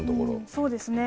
そうですね。